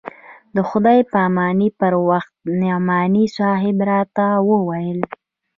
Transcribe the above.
د خداى پاماني پر وخت نعماني صاحب راته وويل.